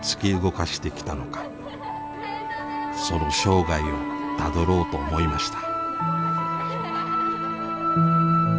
その生涯をたどろうと思いました。